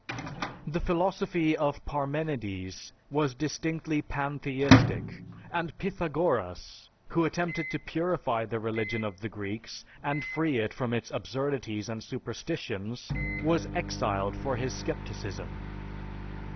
The philosophy of Parmenides was distinctly pantheistic, and Pythagoras, who attempted to purify the religion of the Greeks and free it from its absurdities and superstitions, was exiled for his scepticism.